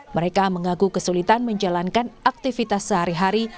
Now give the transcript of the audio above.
mereka mengaku kesulitan menjalankan aktivitas sehari hari